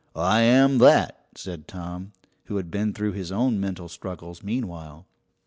"I am that," said Tom, who had been through his own mental struggles meanwhile.